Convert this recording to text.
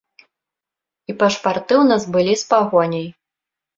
І пашпарты ў нас былі з пагоняй.